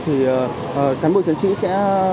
thì cán bộ chấn sĩ sẽ